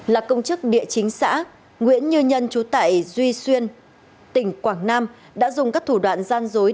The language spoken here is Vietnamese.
là công chức địa chính xã nguyễn như nhân trú tại duy xuyên tỉnh quảng nam đã dùng các thủ đoạn gian dối